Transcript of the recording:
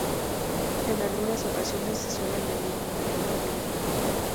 En algunas ocasiones se suele añadir mermelada o miel.